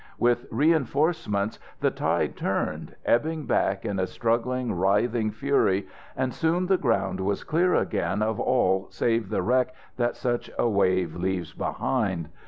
With the reinforcements the tide turned, ebbing back in a struggling, writhing fury, and soon the ground was clear again of all save the wreck that such a wave leaves behind it.